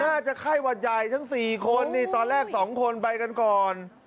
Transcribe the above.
น่าจะไข้หวัดใหญ่ทั้ง๔คนนี่ตอนแรก๒คนไปกันก่อน